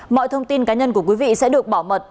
mọi thông tin cá nhân của quý vị sẽ được bảo mật